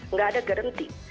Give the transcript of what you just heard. nggak ada garanti